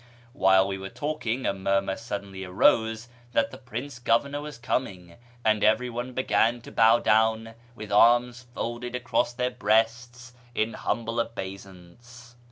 Wliile we were talking, a murmur suddenly arose that the Prince Governor was coming, and everyone began to bow down, with arms folded across their breasts, in humljle obeisance.